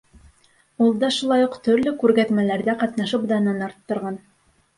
Ул да шулай уҡ төрлө күргәҙмәләрҙә ҡатнашып данын арттырған.